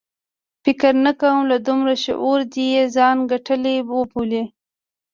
فکر نه کوم له دومره شعور دې یې ځان ګټلی وبولي.